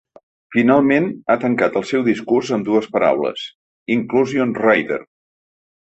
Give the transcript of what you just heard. Finalment ha tancat el seu discurs amb dues paraules: Inclusion rider.